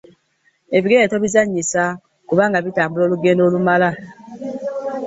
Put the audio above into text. Ebigere tobizannyisa kubanga bitambula olugendo oluwera.